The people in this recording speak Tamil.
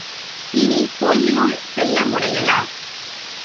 இனி, கோயிலுள் செல்ல முனையலாம்.